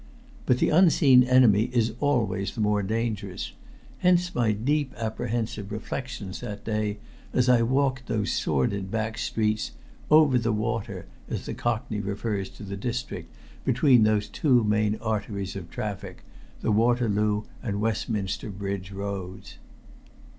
But the unseen enemy is always the more dangerous; hence my deep apprehensive reflections that day as I walked those sordid back streets "over the water," as the Cockney refers to the district between those two main arteries of traffic, the Waterloo and Westminster Bridge Roads.